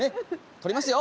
撮りますよ。